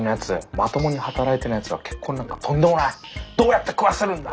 「まともに働いてないやつが結婚なんかとんでもないどうやって食わせるんだ！」